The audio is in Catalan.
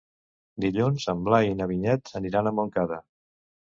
Dilluns en Blai i na Vinyet aniran a Montcada.